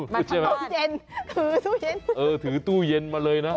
ตู้เย็นถือตู้เย็นเออถือตู้เย็นมาเลยนะ